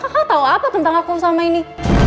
kakak tahu apa tentang aku selama ini